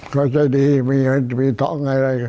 เขาใจดีมีเทาะไง